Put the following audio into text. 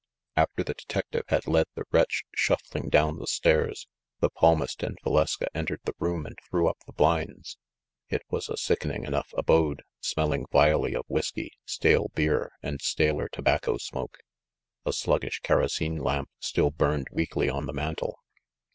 After the detective had led the wretch shuffling down the stairs, the palmist and Valeska entered the room and threw up the blinds. It was a sickening enough abode, smelling vilely of whisky, stale beer, and staler tobacco smoke. A sluggish kerosene lamp still burned weakly on the mantel.